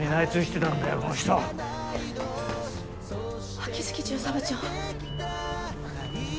秋月巡査部長。